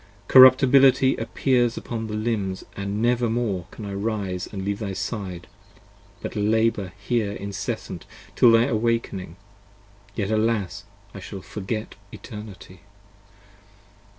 p. 83 CORRUP[T]ABILITY appears upon thy limbs, and never more Can I arise and leave thy side, but labour here incessant Till thy awaking: yet alas, I shall forget Eternity!